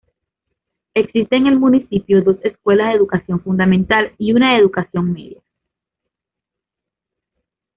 Existen en el municipio dos escuelas de educación fundamental y una de educación media.